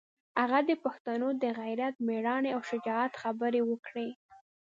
هغه د پښتنو د غیرت، مېړانې او شجاعت خبرې وکړې.